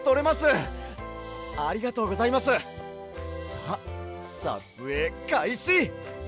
さあさつえいかいし！